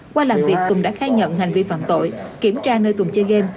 qua làm việc tùng đã khai nhận hành vi phạm tội kiểm tra nơi tuần chơi game